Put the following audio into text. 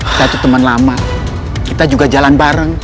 kita tuh temen lama kita juga jalan bareng